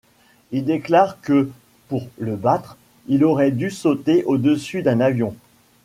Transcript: Il déclare que pour le battre, il aurait dû sauter au-dessus d'un avion.